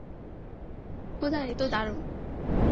খোদা, এ তো দারুণ।